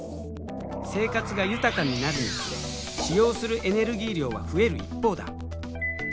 生活が豊かになるにつれ使用するエネルギー量は増える一方だ。